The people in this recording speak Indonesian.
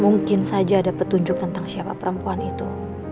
mungkin saja ada petunjuk tentang siapa perempuan itu